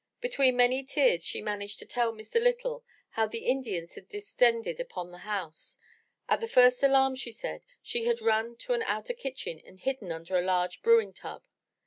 Between many tears, she managed to tell Mr. Lytle how the Indians had descended upon the house. At the first alarm, she said, she had run to an outer kitchen and hidden under a large brewing tub.